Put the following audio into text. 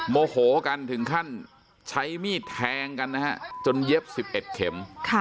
โมโหกันถึงขั้นใช้มีดแทงกันนะฮะจนเย็บ๑๑เข็ม